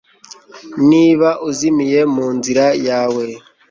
niba uzimiye munzira yawe